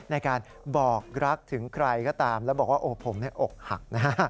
ในการบอกรักถึงใครก็ตามแล้วบอกว่าโอ้ผมอกหักนะฮะ